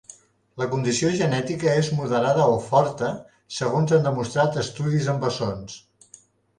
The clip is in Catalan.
La condició genètica és moderada o forta, segons han demostrat estudis amb bessons.